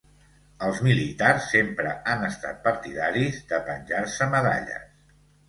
Els militars sempre han estat partidaris de penjar-se medalles.